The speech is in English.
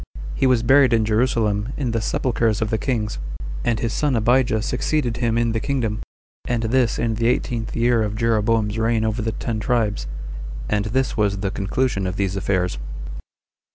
He was buried in Jerusalem, in the sepulchers of the kings; and his son Abijah succeeded him in the kingdom, and this in the eighteenth year of Jeroboam's reign over the ten tribes; and this was the conclusion of these affairs.